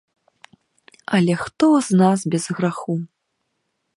Але хто з нас без граху?